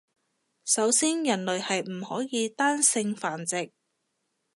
首先人類係唔可以單性繁殖